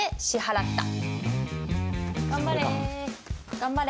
頑張れ。